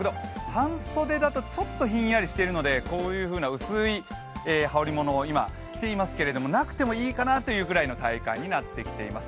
半袖だとちょっとひんやりしてるので薄い羽織りものを今着ていますけれども、なくてもいいかなというぐらいの体感になってきています。